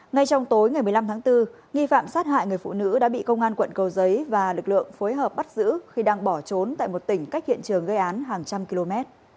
ngay trong tối ngày một mươi năm tháng bốn nghi phạm sát hại người phụ nữ đã bị công an quận cầu giấy và lực lượng phối hợp bắt giữ khi đang bỏ trốn tại một tỉnh cách hiện trường gây án hàng trăm km